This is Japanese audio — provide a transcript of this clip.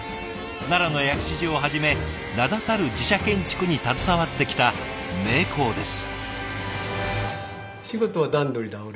奈良の薬師寺をはじめ名だたる寺社建築に携わってきた名工です。